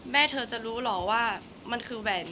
แม่เธอจะรู้หรอว่ามันคือแหวนจริงหรือแหวนปลอม